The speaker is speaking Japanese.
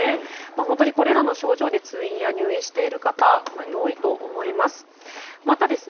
本当にこれらの症状で通院や入院している方かなり多いと思います。